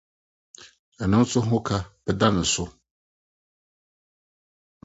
Ɛno nso ho ka bɛ da ne so